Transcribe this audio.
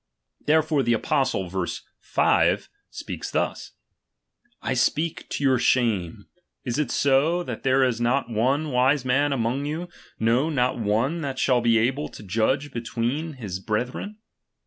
Therefore the Apostle (verse 5) chap. iv. speaks thus :/ speak to your shame. Is it so, ''' lliat there is not one wise man among you, no, not one that shall be able to judge between his bre thren